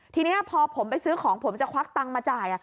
ทีนี้พอผมไปซื้อของผมจะควักตังค์มาจ่าย